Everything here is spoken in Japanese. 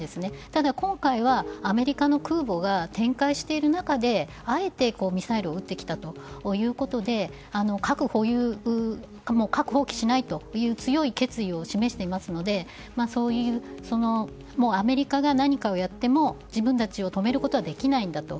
ただ今回はアメリカの空母が展開している中であえてミサイルを撃ってきたということで核を放棄しないという強い決意を示していますのでアメリカが何かをやっても自分たちを止めることはできないんだと。